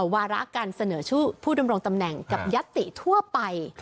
วาระการเสนอชื่อผู้ดำรงตำแหน่งกับยัตติทั่วไป